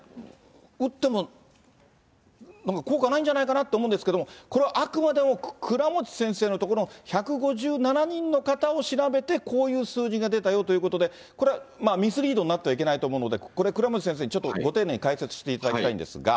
打ってもなんか効果ないんじゃないかなって思うんですけれども、これはあくまでも倉持先生の所の１５７人の方を調べて、こういう数字が出たよということで、これはミスリードになってはいけないと思うので、これ、倉持先生にご丁寧に解説していただきたいんですが。